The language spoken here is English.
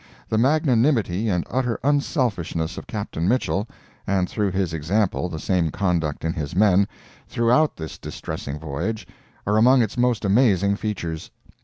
The magnanimity and utter unselfishness of Captain Mitchell (and through his example, the same conduct in his men) throughout this distressing voyage, are among its most amazing features.